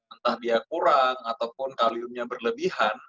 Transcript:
entah dia kurang ataupun kaliumnya berlebihan